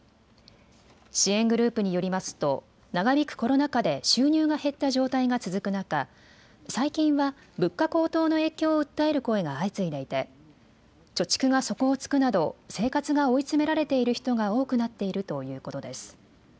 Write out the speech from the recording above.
支援グループによりますと長引くコロナ禍で収入が減った状態が続く中、最近は物価高騰の影響を訴える声が相次いでいて貯蓄が底をつくなど生活が追い詰められている人が多くなっているということです。